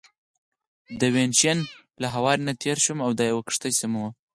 د وینیشن له هوارې نه تېر شوم، دا یوه کښته سیمه وه.